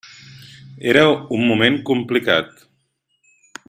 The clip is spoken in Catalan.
Era un moment complicat.